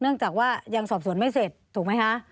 จากว่ายังสอบสวนไม่เสร็จถูกไหมคะ